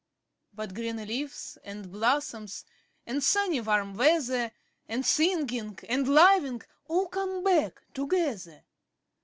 But green leaves, and blossoms, and sunny warm weather, 5 And singing, and loving all come back together.